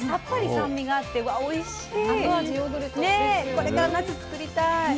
これから夏作りたい。